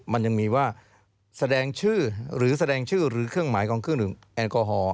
มันยังมีว่าแสดงชื่อหรือแสดงชื่อหรือเครื่องหมายของเครื่องดื่มแอลกอฮอล